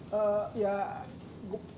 ya ini anggaran yang diperoleh